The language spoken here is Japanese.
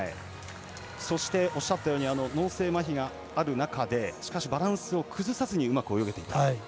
そしておっしゃったように脳性まひがある中でしかしバランスを崩さずにうまく泳げていた。